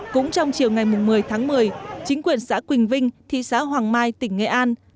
cũng trong chiều ngày một mươi tháng một mươi chính quyền xã quỳnh vinh thị xã hoàng mai tỉnh nghệ an